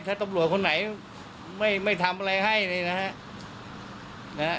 ถ้าตำลวงคนไหนไม่ไม่ทำอะไรให้เลยนะฮะนะฮะ